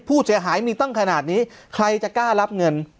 ผู้เสียหายมีตั้งขนาดนี้ใครจะกล้ารับเงิน